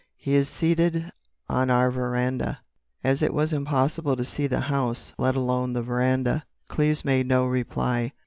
"He is seated on our veranda." As it was impossible to see the house, let alone the veranda, Cleves made no reply.